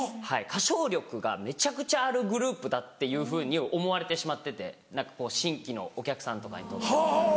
歌唱力がめちゃくちゃあるグループだっていうふうに思われてしまってて新規のお客さんとかにとって。